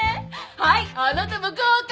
はいあなたも合格！